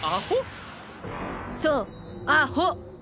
そうアホ。